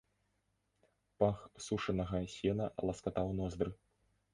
Пах сушанага сена ласкатаў ноздры.